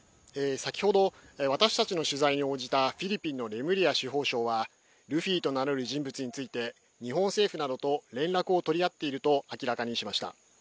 先ほど私たちの取材に応じたフィリピンのレムリア司法相はルフィと名乗る人物について日本政府などと連絡を取り合っていると明らかにしました。